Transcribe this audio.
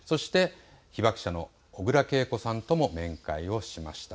被爆者の小倉桂子さんとも面会をしました。